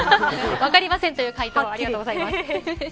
分かりませんという回答ありがとうございます。